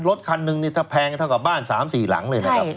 รถคันนึงแพงเท่ากับบ้าน๓๔หลังเลยนะครับ